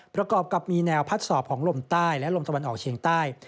ประกอบกับมีแนวพัดสอบของลมใต้และลมตะวันออกเชียงใต้